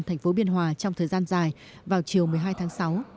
thành phố biên hòa trong thời gian dài vào chiều một mươi hai tháng sáu